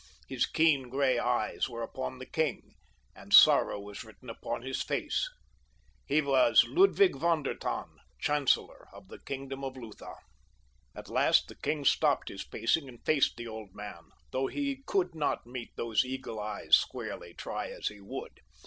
His keen, gray eyes were upon the king, and sorrow was written upon his face. He was Ludwig von der Tann, chancellor of the kingdom of Lutha. At last the king stopped his pacing and faced the old man, though he could not meet those eagle eyes squarely, try as he would.